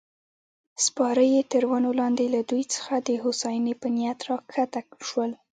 سپاره یې تر ونو لاندې له دوی څخه د هوساینې په نیت راکښته شول.